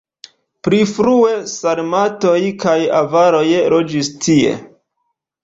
Pli frue sarmatoj kaj avaroj loĝis tie.